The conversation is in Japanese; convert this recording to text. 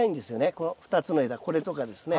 この２つの枝これとかですね。